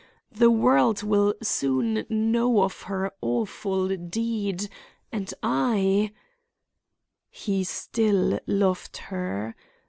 The world will soon know of her awful deed—and I—" He still loved her!